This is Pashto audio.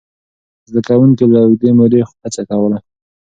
زده کوونکي له اوږدې مودې هڅه کوله.